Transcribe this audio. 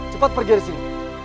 cepat pergi dari sini